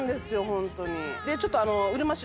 ホントに。